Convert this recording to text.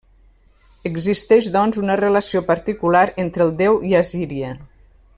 Existeix doncs una relació particular entre el déu i Assíria.